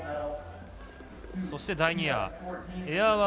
そして、第２エア。